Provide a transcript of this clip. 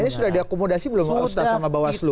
selama ini sudah diakomodasi belum ustaz sama bawaslu